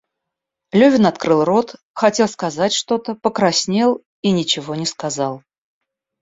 Левин открыл рот, хотел сказать что-то, покраснел и ничего не сказал.